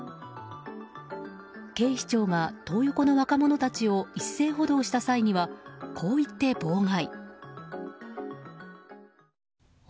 警視庁がトー横の若者たちを一斉補導した際にはこう言って妨害。